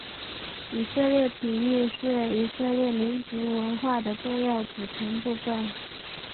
以色列体育是以色列民族文化的重要组成部分。